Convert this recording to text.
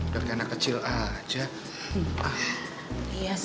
tapi masih hanya